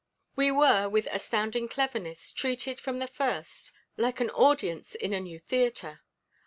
"We were, with astounding cleverness, treated from the first like an audience in a new theatre.